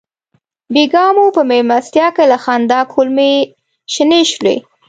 بېګا مو په مېلمستیا کې له خندا کولمې شنې شولې.